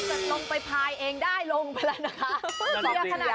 นี่ถ้าจัดลงไปพายเองได้ลงไปแล้วนะคะ